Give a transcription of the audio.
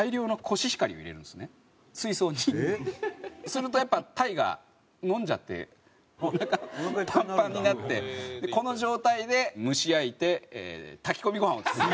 するとやっぱり鯛がのんじゃっておなかパンパンになってこの状態で蒸し焼いて炊き込みご飯を作る。